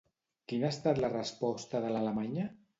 Quina ha estat la resposta de l'alemanya?